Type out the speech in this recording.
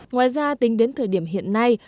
ngoài ra tính đến thời điểm hiện nay